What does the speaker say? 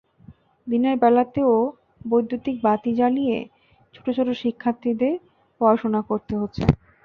দিনের বেলাতেও বৈদ্যুতিক বাতি জ্বালিয়ে ছোট ছোট শিক্ষার্থীদের পড়াশোনা করতে হচ্ছে।